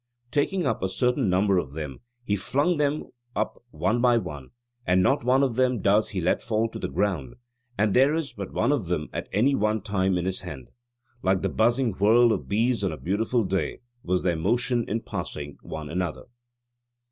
[Taking up a certain number of them] he flung them up one by one, and not one of them does he let fall to the ground, and there is but one of them at any one time in his hand. Like the buzzing whirl of bees on a beautiful day was their motion in passing one another."